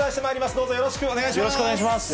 どうぞよよろしくお願いします。